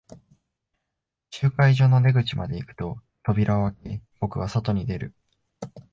集会所の出口まで行くと、扉を開け、僕は外に出る。